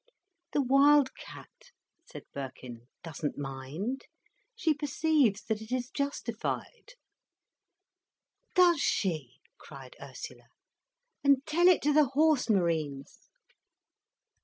"The wild cat," said Birkin, "doesn't mind. She perceives that it is justified." "Does she!" cried Ursula. "And tell it to the Horse Marines."